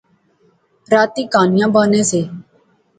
راتیں کہانیاں بانے سے